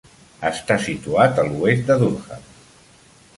Està situat a l"oest de Durham.